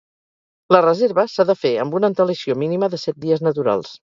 La reserva s'ha de fer amb una antelació mínima de set dies naturals.